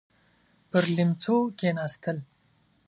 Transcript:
پر ليمڅو کېناستل.